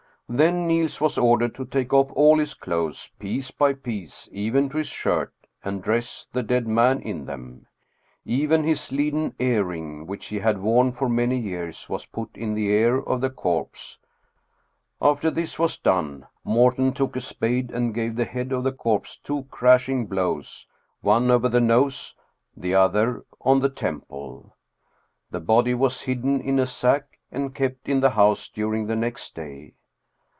Then Niels was ordered to take off all his clothes, piece by piece, even to his shirt, and dress the dead man in them. Even his leaden earring, which he had worn for many years, was put in the ear of the corpse. After this was done, Morten took a spade and gave the head of the corpse two crashing blows, one over the nose, the other on the temple. The body was hidden in a sack and kept in the house during the next day.